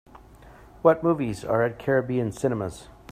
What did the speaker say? What movies are at Caribbean Cinemas